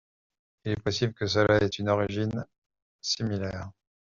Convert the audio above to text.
Il est possible que cela ait une origine similaire.